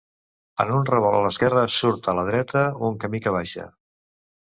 En un revolt a l'esquerra, surt a la dreta un camí que baixa.